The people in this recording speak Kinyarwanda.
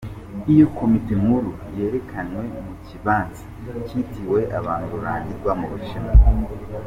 Iyo komite nkuru yerekanywe mu kibanza citiriwe abantu rurangiranwa mu Bushinwa.